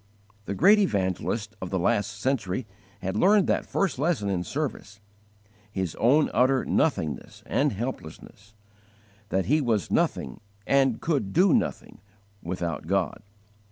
_ The great evangelist of the last century had learned that first lesson in service, his own utter nothingness and helplessness: that he was nothing, and could do nothing, without God.